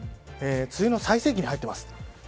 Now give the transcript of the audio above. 梅雨の最盛期に入ってます。